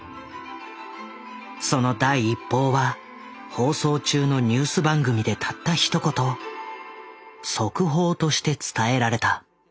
その第一報は放送中のニュース番組でたったひと言速報として伝えられた。